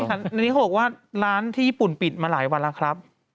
อันนี้เขาบอกว่าร้านที่ญี่ปุ่นปิดมาหลายวันแล้วครับ